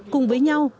cùng với nhau